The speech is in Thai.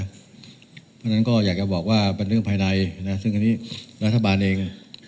เพราะฉะนั้นก็อยากจะบอกว่าเป็นเรื่องภายในนะซึ่งอันนี้รัฐบาลเอง